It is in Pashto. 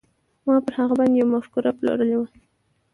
ما پر هغه باندې يوه مفکوره پلورلې وه.